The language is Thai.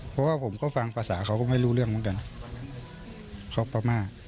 เพราะว่าผมก็ฟังภาษาเขาก็ไม่รู้เรื่องเหมือนกันเขาพม่า